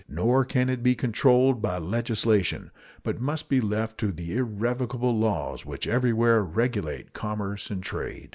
Nor can it be controlled by legislation, but must be left to the irrevocable laws which everywhere regulate commerce and trade.